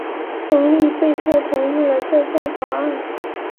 亨利被迫同意了这项法案。